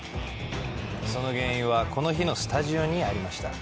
その原因はこの日のスタジオにありました